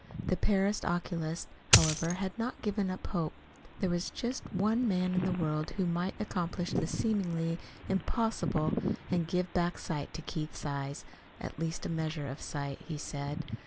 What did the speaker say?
The Paris oculist, however, had not given up hope. There was just one man in the world who might accomplish the seemingly impossible and give back sight to Keith's eyes at least a measure of sight, he said.